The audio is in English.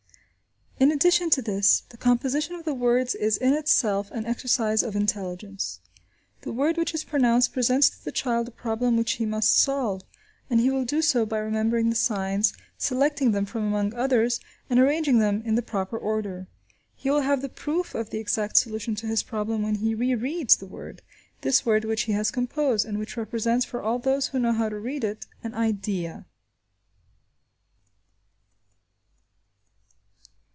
In addition to this, the composition of the words is in itself an exercise of intelligence. The word which is pronounced presents to the child a problem which he must solve, and he will do so by remembering the signs, selecting them from among others, and arranging them in the proper order. He will have the proof of the exact solution of his problem when he rereads the word–this word which he has composed, and which represents for all those who know how to read it, an idea.